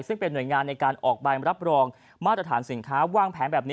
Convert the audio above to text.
ซึ่งเป็นหน่วยงานในการออกใบรับรองมาตรฐานสินค้าวางแผนแบบนี้